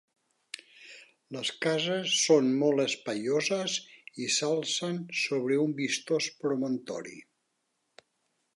Les cases són molt espaioses i s'alcen sobre un vistós promontori.